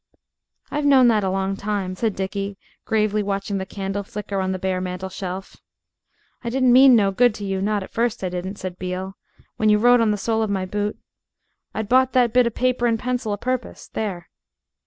"I've known that a long time," said Dickie, gravely watching the candle flicker on the bare mantel shelf. "I didn't mean no good to you, not at first I didn't," said Beale, "when you wrote on the sole of my boot. I'd bought that bit of paper and pencil a purpose. There!"